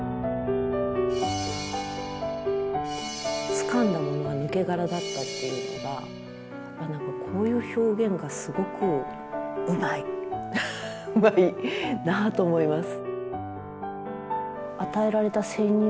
つかんだものが抜け殻だったっていうのが何かこういう表現がすごくうまいうまいなと思います。